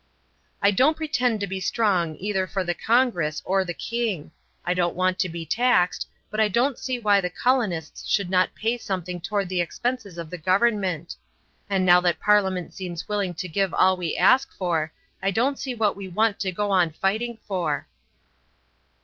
"I don't pretend to be strong either for the Congress or the king. I don't want to be taxed, but I don't see why the colonists should not pay something toward the expenses of the government; and now that Parliament seems willing to give all we ask for, I don't see what we want to go on fighting for."